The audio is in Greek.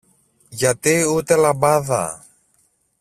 γιατί ούτε λαμπάδα